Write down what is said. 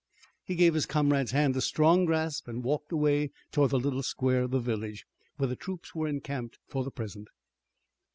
He gave his comrade's hand a strong grasp and walked away toward the little square of the village, where the troops were encamped for the present.